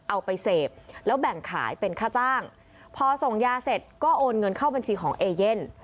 เอาไปเสพแล้วแบ่งขายเป็นค่าจ้างพอส่งยาเสร็จก็โอนเงินเข้าบัญชีของเอเย่น